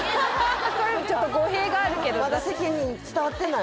それちょっと語弊があるけどまだ世間に伝わってない？